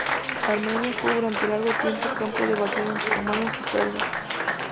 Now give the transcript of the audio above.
Armenia fue durante largo tiempo campo de batalla entre romanos y persas.